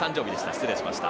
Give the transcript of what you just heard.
失礼しました。